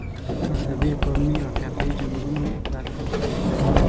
مذهبي، قومي او فرقه یي جنګونو ته دعوت کوي.